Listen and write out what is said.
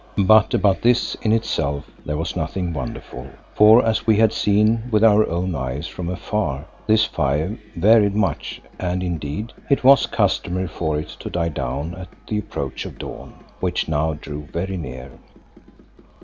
But about this in itself there was nothing wonderful, for as we had seen with our own eyes from afar this fire varied much, and indeed it was customary for it to die down at the approach of dawn, which now drew very near.